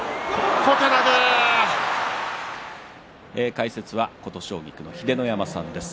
解説は琴奨菊の秀ノ山さんです。